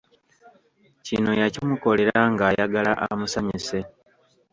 Kino yakimukolera nga ayagala amusanyuse.